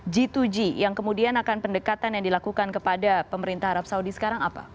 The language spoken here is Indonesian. g dua g yang kemudian akan pendekatan yang dilakukan kepada pemerintah arab saudi sekarang apa